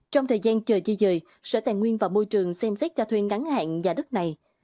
trong thời gian chờ di dời sở tài nguyên và môi trường xem xét cho thuê ngắn hạn nhà đất này